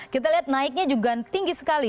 kita lihat naiknya juga tinggi sekali